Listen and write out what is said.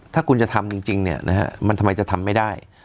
ถ้าคุณจะทำจริงเนี่ยนะฮะมันทำไมจะทำไม่ได้